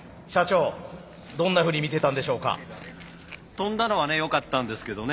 跳んだのはねよかったんですけどね